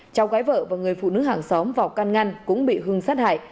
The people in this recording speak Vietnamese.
cháu gái vợ và người phụ nữ hàng xóm vào căn ngăn cũng bị hưng sát hại